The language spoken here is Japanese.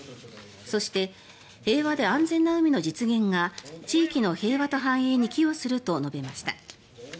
そして、平和で安全な海の実現が地域の平和と安定に寄与すると述べました。